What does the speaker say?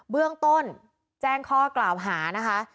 เบื้องต้นแจ้งข้อกล่าวหานะคะ